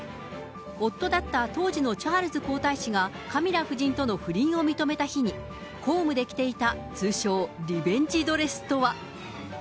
夫だった当時のチャールズ皇太子がカミラ夫人との不倫を認めた日に公務で着ていた通称、リベンジドレスとは。